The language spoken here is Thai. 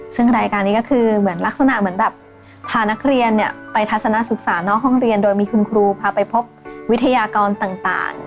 ซึ่งรายการนี้ก็คือเหมือนลักษณะเหมือนแบบพานักเรียนไปทัศนศึกษานอกห้องเรียนโดยมีคุณครูพาไปพบวิทยากรต่าง